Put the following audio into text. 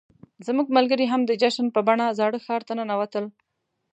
زموږ ملګري هم د جشن په بڼه زاړه ښار ته ننوتل.